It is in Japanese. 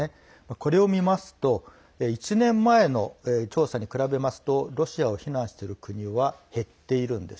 これを見ますと１年前の調査に比べるとロシアを非難している国は減っているんです。